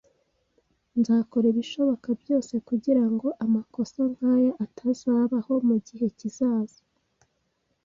Nzakora ibishoboka byose kugirango amakosa nkaya atazabaho mugihe kizaza.